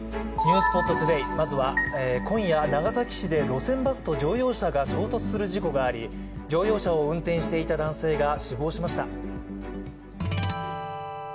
まずは今夜、長崎市で路線バスと乗用車が衝突する事故があり乗用車を運転していた男性が死亡しました。